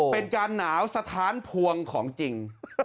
เป็นการหนาวสถานพวงของจริง